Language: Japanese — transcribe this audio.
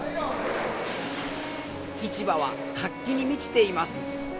市場は活気に満ちています。